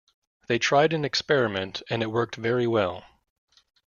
They tried an experiment and it worked very well.